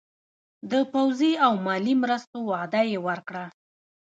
د پوځي او مالي مرستو وعده یې ورکړه.